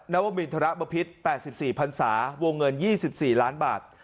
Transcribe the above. วมินทรบพิษ๘๔พันศาวงเงิน๒๔ล้านบาท